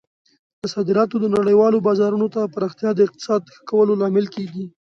د صادراتو د نړیوالو بازارونو ته پراختیا د اقتصاد ښه کولو لامل کیږي.